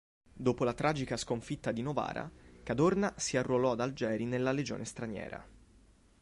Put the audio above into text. Dopo la tragica sconfitta di Novara, Cadorna si arruolò ad Algeri nella legione straniera.